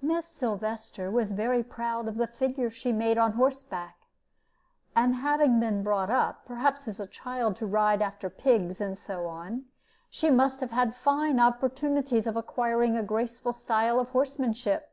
Miss Sylvester was very proud of the figure she made on horseback; and having been brought up, perhaps as a child, to ride after pigs and so on, she must have had fine opportunities of acquiring a graceful style of horsemanship.